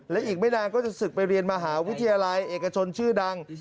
และอีกไม่นานก็จะศึกไปเรียนมหาวิทยาลัยเอกชนชื่อดัง